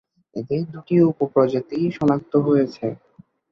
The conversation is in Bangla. এদের দুটি উপ-প্রজাতি সনাক্ত হয়েছে।